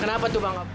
kenapa tuh bang